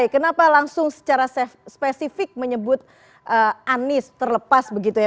kenapa langsung secara spesifik menyebut anies terlepas begitu ya